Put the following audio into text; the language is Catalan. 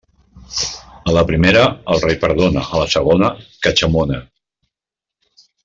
A la primera, el rei perdona; a la segona, catxamona.